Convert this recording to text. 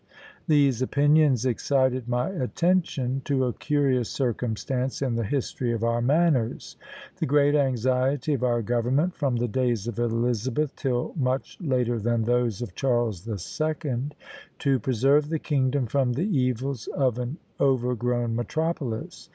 These opinions excited my attention to a curious circumstance in the history of our manners the great anxiety of our government, from the days of Elizabeth till much later than those of Charles the Second, to preserve the kingdom from the evils of an overgrown metropolis.